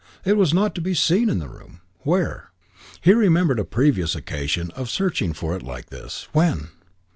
It was not to be seen in the room. Where? He remembered a previous occasion of searching for it like this. When?